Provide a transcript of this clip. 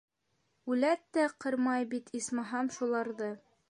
- Үләт тә ҡырмай бит, исмаһам, шуларҙы!